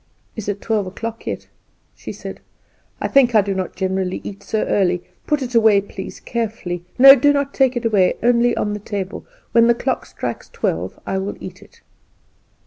"Is it twelve o'clock yet?" she said; "I think I do not generally eat so early. Put it away, please, carefully no, do not take it away only on the table. When the clock strikes twelve I will eat it."